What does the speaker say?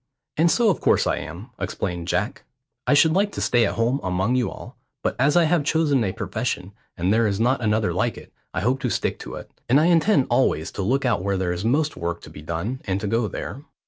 "And so of course I am," exclaimed Jack. "I should like to stay at home among you all; but as I have chosen a profession, and there is not another like it, I hope to stick to it, and I intend always to look out where there is most work to be done, and to go there."